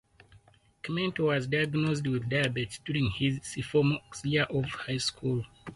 Kmet was diagnosed with diabetes during his sophomore year of high school.